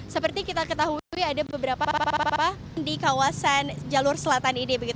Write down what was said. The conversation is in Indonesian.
seperti kita ketahui ada beberapa di kawasan jalur selatan ini